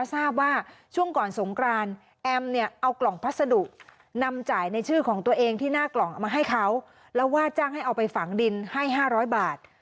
ทราบว่าช่วงก่อนสงกรานแอมเนี่ยเอากล่องพัสดุนำจ่ายในชื่อของตัวเองที่หน้ากล่องเอามาให้เขาแล้วว่าจ้างให้เอาไปฝังดินให้๕๐๐บาท